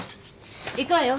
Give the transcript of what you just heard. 行くわよ。